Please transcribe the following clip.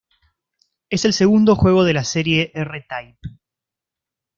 Es el segundo juego de la serie R-Type.